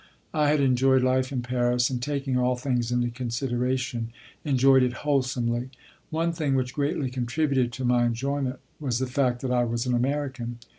I had enjoyed life in Paris, and, taking all things into consideration, enjoyed it wholesomely. One thing which greatly contributed to my enjoyment was the fact that I was an American.